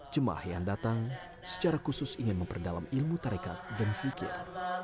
jemaah yang datang secara khusus ingin memperdalam ilmu tarekat dan zikir